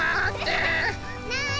なに？